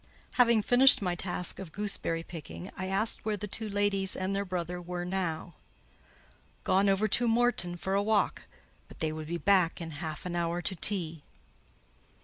Having finished my task of gooseberry picking, I asked where the two ladies and their brother were now. "Gone over to Morton for a walk; but they would be back in half an hour to tea."